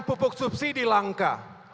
pupuk subsidi langka